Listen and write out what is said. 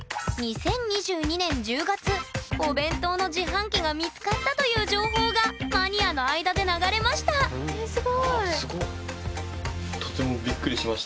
お弁当の自販機が見つかったという情報がマニアの間で流れましたわあすご。